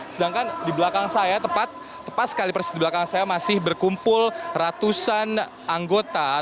sedangkan dibelakang saya tepat sekali persis dibelakang saya masih berkumpul ratusan anggota ataupun jamaah dari beberapa organ negara yang berkumul di sekitar rumah ini